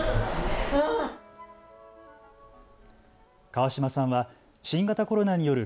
川嶋さんは新型コロナによる